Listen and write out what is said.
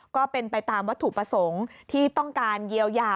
ก็เป็นไปตามวัตถุประสงค์ที่ต้องการเยียวยา